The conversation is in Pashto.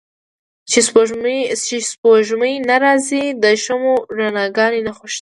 چې سپوږمۍ نه را ځي د شمعو رڼاګا نې خوشته